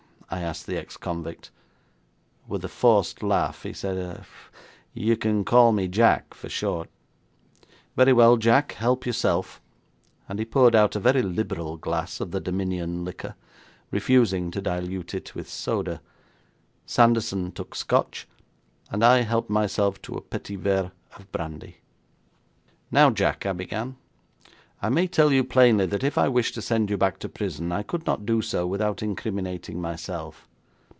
I asked the ex convict. With a forced laugh he said; 'You can call me Jack for short.' 'Very well, Jack, help yourself,' and he poured out a very liberal glass of the Dominion liquor, refusing to dilute it with soda. Sanderson took Scotch, and I helped myself to a petit verre of brandy. 'Now, Jack,' I began, 'I may tell you plainly that if I wished to send you back to prison, I could not do so without incriminating myself.